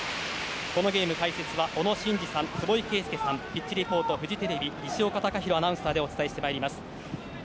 このゲームの解説は小野伸二さん、坪井慶介さんピッチリポート、フジテレビの西岡孝洋アナウンサーでお伝えしてまいります。